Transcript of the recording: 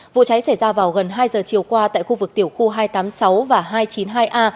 vụ cháy xảy ra vào gần hai giờ chiều qua tại khu vực tiểu khu hai trăm tám mươi sáu và hai trăm chín mươi hai a